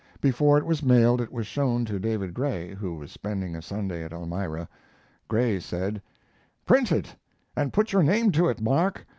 Before it was mailed it was shown to David Gray, who was spending a Sunday at Elmira. Gray said: "Print it and put your name to it, Mark.